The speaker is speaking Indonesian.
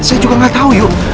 saya juga gak tau yu